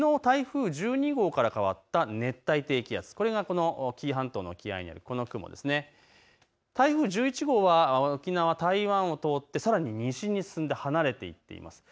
雲の様子を見てみますときのう台風１２号から変わった熱帯低気圧、これが紀伊半島の沖合にあるこの雲、台風１１号は沖縄台湾を通って、さらに西に進んで離れていっています。